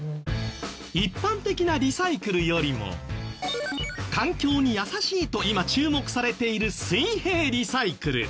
一般的なリサイクルよりも環境に優しいと今注目されている水平リサイクル。